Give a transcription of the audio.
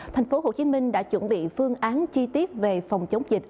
thành phố hồ chí minh đã chuẩn bị phương án chi tiết về phòng chống dịch